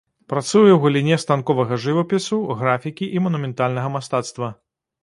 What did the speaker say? Працуе ў галіне станковага жывапісу, графікі і манументальнага мастацтва.